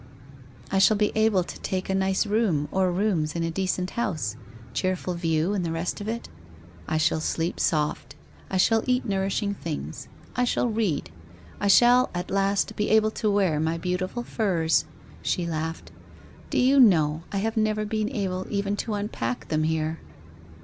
I shall be able to take a nice room, or rooms, in a decent house, cheerful view, and the rest of it. I shall sleep soft— I shall eat nourishing things— I shall read— I shall at last be able to wear my beautiful furs.' She laughed. ' Do you know I have never been able even to unpack them here